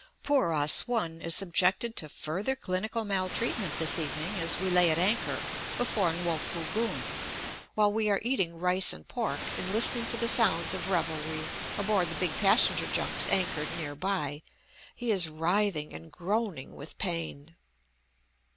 Poor Ah Sum is subjected to further clinical maltreatment this evening as we lay at anchor before No foo gong; while we are eating rice and pork and listening to the sounds of revelry aboard the big passenger junks anchored near by, he is writhing and groaning with pain.